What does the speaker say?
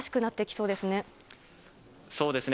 そうですね。